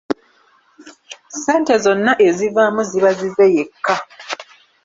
Ssente zonna ezivaamu ziba zize yekka.